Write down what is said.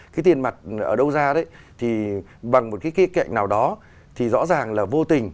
cái tiền mặt ở đâu ra đấy thì bằng một cái kệnh nào đó thì rõ ràng là vô tình